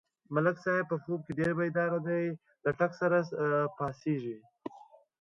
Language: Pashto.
ملک صاحب په خوب کې ډېر بیداره دی، له ټک سره پا څېږي.